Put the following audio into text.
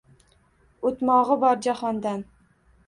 O’tmog’i bor jahondan.